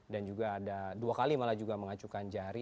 juga ada dua kali malah juga mengacukan jari